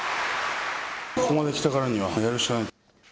ここまで来たからにはやるしかない。